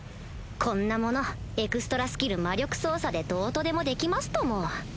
こんなものエクストラスキル魔力操作でどうとでもできますとも